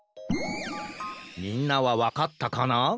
みんなはわかったかな？